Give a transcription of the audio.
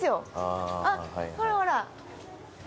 あっほらほら